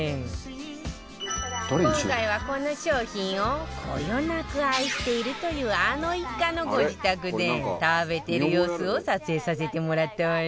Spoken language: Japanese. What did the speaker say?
今回はこの商品をこよなく愛しているというあの一家のご自宅で食べてる様子を撮影させてもらったわよ